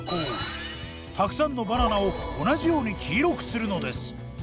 たくさんのバナナを同じように黄色くするのです。